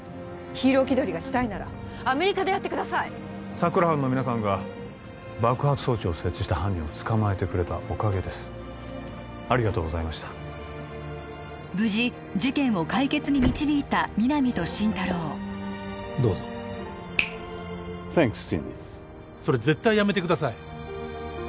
ヒーロー気取りがしたいならアメリカでやってください佐久良班の皆さんが爆発装置を設置した犯人を捕まえてくれたおかげですありがとうございました無事事件を解決に導いた皆実と心太朗どうぞサンクスシンディーそれ絶対やめてください